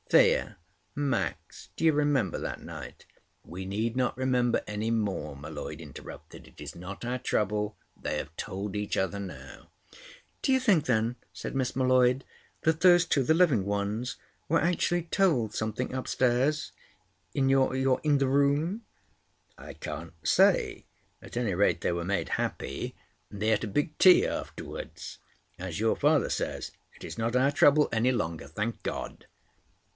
Thea, Max, do you remember that night?" "We need not remember any more," M'Leod interrupted. "It is not our trouble. They have told each other now." "Do you think, then," said Miss M'Leod, "that those two, the living ones, were actually told something—upstairs—in your in the room?" "I can't say. At any rate they were made happy, and they ate a big tea afterwards. As your father says, it is not our trouble any longer—thank God!"